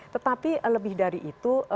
tetapi lebih dari itu